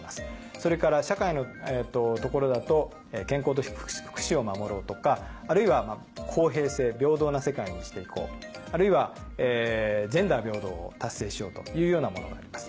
それから社会のところだと健康と福祉を守ろうとかあるいは公平性平等な世界にして行こうあるいはジェンダー平等を達成しようというようなものがあります。